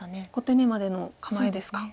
５手目までの構えですか。